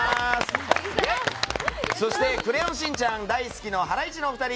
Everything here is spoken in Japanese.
そして「クレヨンしんちゃん」大好きのハライチのお二人。